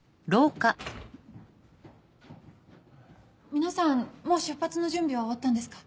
皆さんもう出発の準備は終わったんですか？